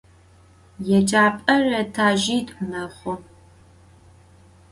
Yêcap'er etajjit'u mexhu.